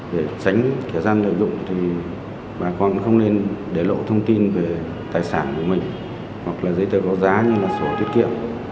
để tránh thời gian lợi dụng thì bà con không nên để lộ thông tin về tài sản của mình hoặc là giấy tờ có giá như là sổ tiết kiệm